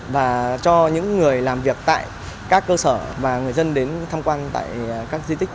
và cho những người làm việc tại các cơ sở và người dân đến tham quan tại các di tích